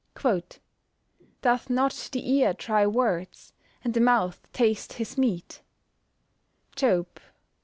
[Verse: "Doth not the ear try words? and the mouth taste his meat." JOB XII.